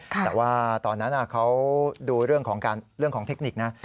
แต่ว่าตอนนั้นเขาดูเรื่องของการเรื่องของเทคนิคนะ